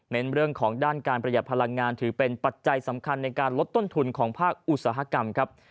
เรื่องของด้านการประหยัดพลังงานถือเป็นปัจจัยสำคัญในการลดต้นทุนของภาคอุตสาหกรรมครับ